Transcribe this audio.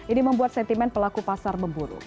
ini membuat sentimen pelaku pasar memburuk